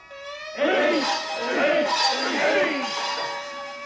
えい！